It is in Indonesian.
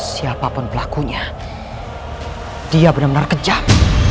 siapa pun pelakunya dia benar benar kejam